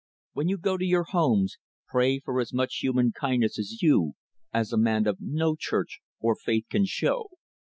When you go to your homes, pray for as much human kindness in you as a man of no Church or faith can show.